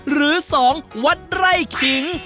หรือ๒วัดไร่ขิง